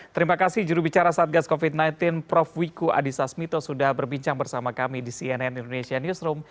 terima kasih jurubicara satgas covid sembilan belas prof wiku adhisa smito sudah berbincang bersama kami di cnn indonesia newsroom